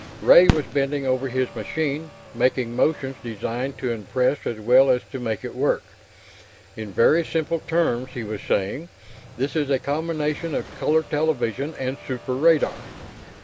Ray was bending over his machine, making motions designed to impress as well as to make it work. "In very simple terms," he was saying, "this is a combination of color television and super radar.